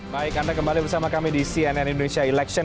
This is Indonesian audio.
baik anda kembali bersama kami di cnn indonesia election